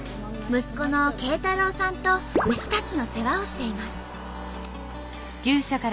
息子の佳大朗さんと牛たちの世話をしています。